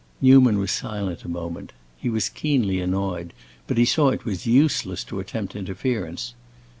Newman was silent a moment. He was keenly annoyed, but he saw it was useless to attempt interference.